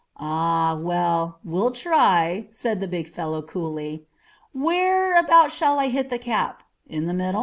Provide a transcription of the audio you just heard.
"Ah, well, we'll try," said the big fellow coolly. "Where about shall I hit the cap in the middle?"